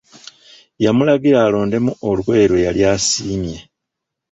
Yamulagira alondemu olugoye lwe yali asiimye.